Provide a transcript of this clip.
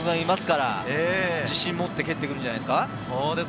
自信を持って蹴ってくるんじゃないですか。